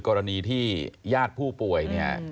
กรณีที่ญาติผู้ป่วยเนี่ย